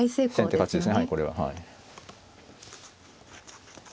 先手勝ちですねこれは。